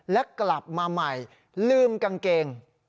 และกลับมาใหม่ลืมกางเกง